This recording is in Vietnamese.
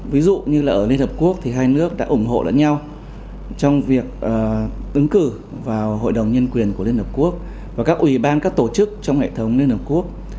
ví dụ như là ở liên hợp quốc thì hai nước đã ủng hộ lẫn nhau trong việc ứng cử vào hội đồng nhân quyền của liên hợp quốc và các ủy ban các tổ chức trong hệ thống liên hợp quốc